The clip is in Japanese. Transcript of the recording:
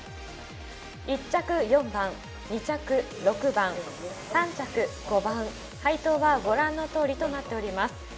１着４番、２着６番、３着５番、配当はご覧の通りとなっています。